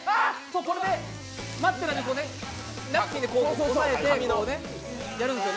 これで待ってる間に、ナプキンで押さえて、やるんですよね。